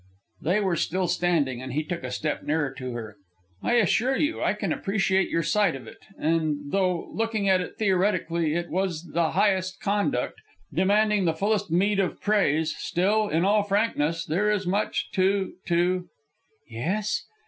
They were still standing, and he took a step nearer to her. "I assure you I can appreciate your side of it; and though, looking at it theoretically, it was the highest conduct, demanding the fullest meed of praise, still, in all frankness, there is much to to " "Yes."